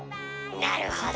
なるほど。